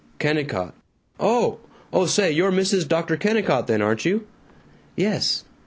"Kennicott. Oh! Oh say, you're Mrs. Dr. Kennicott then, aren't you?" "Yes."